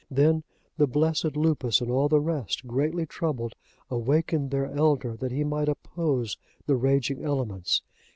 Then the blessed Lupus and all the rest, greatly troubled, awakened their elder, that he might oppose the raging elements.